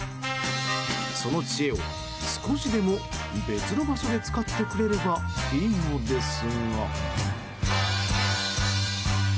その知恵を少しでも、別の場所で使ってくれればいいのですが。